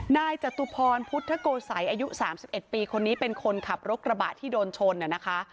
จตุพรพุทธโกสัยอายุ๓๑ปีคนนี้เป็นคนขับรถกระบะที่โดนชนนะคะ